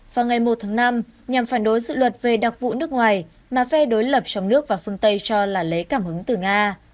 vào ngày một tháng năm nhằm phản đối dự luật về đặc vụ nước ngoài mà phe đối lập trong nước và phương tây cho là lấy cảm hứng từ nga